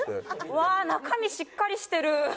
うわー中身しっかりしてる！